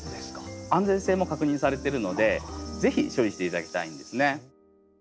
安全性も確認されてるので是非処理して頂きたいんですね。